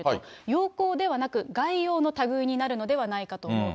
要綱ではなく、概要のたぐいになるのではないかと思う。